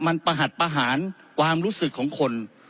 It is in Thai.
มันประหัสประหารความรู้สึกของคน